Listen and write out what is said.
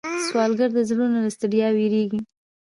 سوالګر د زړونو له ستړیا ویریږي